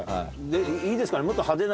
いいですかね？